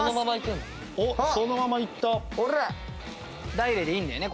ダイレクトでいいんだよね